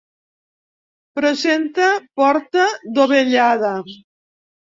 Presenta porta dovellada.